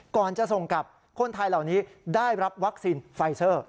ก่อนจะส่งกลับคนไทยเหล่านี้ได้รับวัคซีนไฟเซอร์